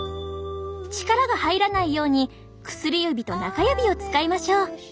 力が入らないように薬指と中指を使いましょう。